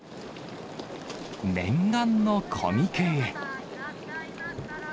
念願のコミケへ。